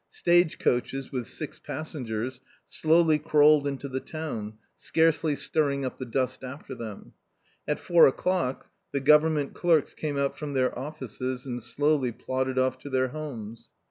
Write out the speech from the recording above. Stage coaches with six passengers slowly crawled into the town, scarcely stirring up the dust after them. At four o'clock the government clerks came out from their offices and slowly plodded off to their homes.